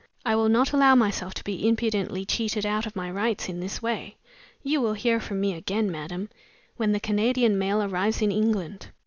I will not allow myself to be impudently cheated out of my rights in this way. You will hear from me again madam, when the Canadian mail arrives in England."